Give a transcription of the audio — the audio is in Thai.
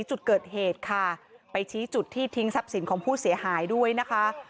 จุดเกิดเหตุค่ะไปชี้จุดที่ทิ้งทรัพย์สินของผู้เสียหายด้วยนะคะ